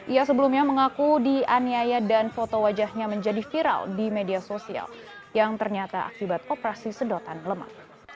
ia sebelumnya mengaku dianiaya dan foto wajahnya menjadi viral di media sosial yang ternyata akibat operasi sedotan lemak